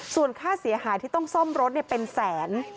ส่วนค่าเสียหายที่ต้องซ่อมรถเป็นแสน